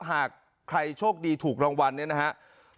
หากใครโชคดีถูกรางวัลเนี่ยนะครับ